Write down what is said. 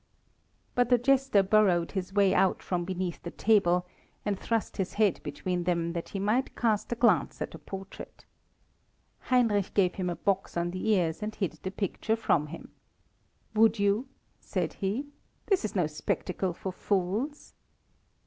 But the jester burrowed his way out from beneath the table, and thrust his head between them that he might cast a glance at the portrait. Heinrich gave him a box on the ears, and hid the picture from him. "Would you?" said he; "this is no spectacle for fools."